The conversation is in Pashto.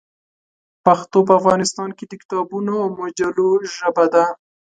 پښتو په افغانستان کې د کتابونو او مجلو ژبه ده.